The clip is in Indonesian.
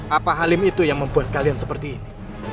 apa halim itu yang membuat kalian seperti ini